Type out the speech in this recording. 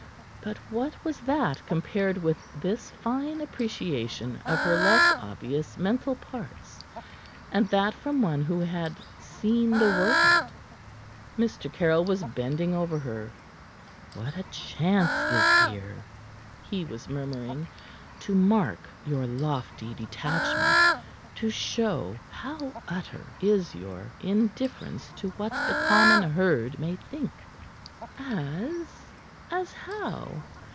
But what was that compared with this fine appreciation of her less obvious mental parts and that from one who had seen the world? Mr. Caryll was bending over her. "What a chance is here," he was murmuring, "to mark your lofty detachment to show how utter is your indifference to what the common herd may think." "As as how?"